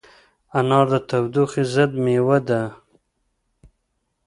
انار د تودوخې ضد مېوه ده.